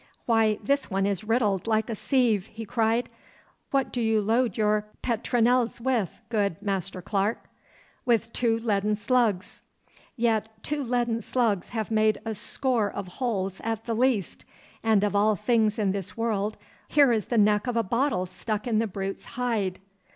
'Why, this one is riddled like a sieve,' he cried. 'What do you load your petronels with, good Master Clarke?' 'With two leaden slugs.' 'Yet two leaden slugs have made a score of holes at the least! And of all things in this world, here is the neck of a bottle stuck in the brute's hide!